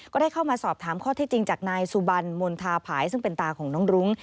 ก็ได้เข้ามาสอบถามข้อที่จริงจากนายสุบันมณฑาผายซึ่งเป็นตาของน้องรุ้ง